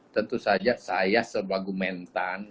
tentu saja saya sebagai mentan